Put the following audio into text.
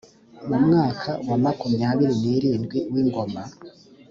mu mwaka wa makumyabiri n irindwi w ingoma